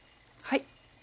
はい。